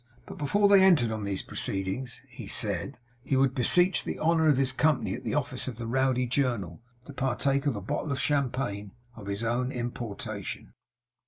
But before they entered on these proceedings (he said), he would beseech the honour of his company at the office of the Rowdy Journal, to partake of a bottle of champagne of his own importation.